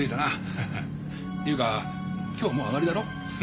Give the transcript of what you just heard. っていうか今日はもう上がりだろ。